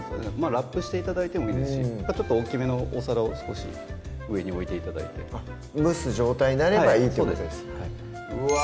ラップして頂いてもいいですしちょっと大っきめのお皿を少し上に置いて頂いて蒸す状態になればいいってことですかうわ